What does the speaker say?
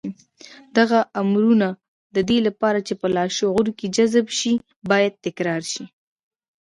دغه امرونه د دې لپاره چې په لاشعور کې جذب شي بايد تکرار شي.